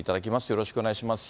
よろしくお願いします。